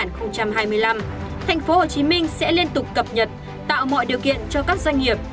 tp hcm sẽ liên tục cập nhật tạo mọi điều kiện cho các doanh nghiệp